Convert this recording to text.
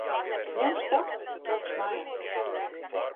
Ņemšu taksi. Braukšu mājās.